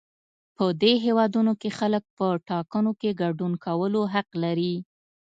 په دې هېوادونو کې خلک په ټاکنو کې ګډون کولو حق لري.